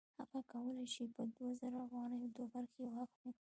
هغه کولی شي په دوه زره افغانیو دوه برخې واخلي